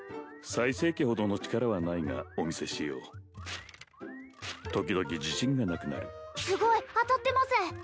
最盛期ほどの力はないがお見せしよう時々自信がなくなるすごい当たってます！